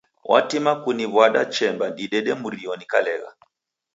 Watima kuniw'wada chemba didede mrio nikalegha.